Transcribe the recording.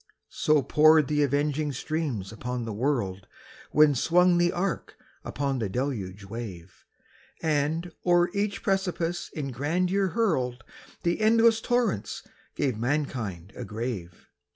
So poured the avenging streams upon the world When swung the ark upon the deluge wave, And, o'er each precipice in grandeur hurled, The endless torrents gave mankind a grave.